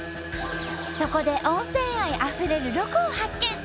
そこで温泉愛あふれるロコを発見。